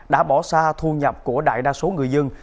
đã bỏ xa thu nhập của đại đa số người dân